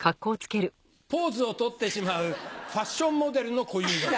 ポーズを取ってしまうファッションモデルの小遊三です。